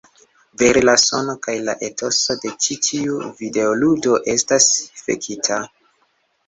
Vere, la sono kaj la etoso de ĉi tiu videoludo estas fekita.